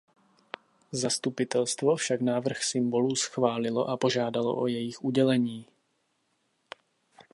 Zastupitelstvo však návrh symbolů schválilo a požádalo o jejich udělení.